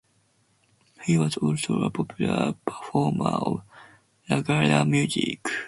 He was also a popular performer of Raggare music.